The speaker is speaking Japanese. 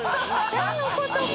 歌のことか。